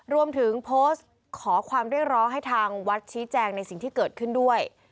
รวมถึงโพสต์ขอความเรียกร้องให้ทางวัดชี้แจงในสิ่งที่เกิดขึ้นด้วย